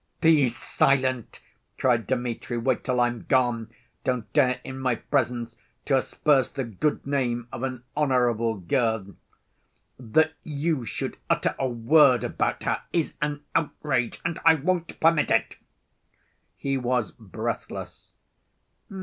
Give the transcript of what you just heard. "Be silent!" cried Dmitri, "wait till I'm gone. Don't dare in my presence to asperse the good name of an honorable girl! That you should utter a word about her is an outrage, and I won't permit it!" He was breathless.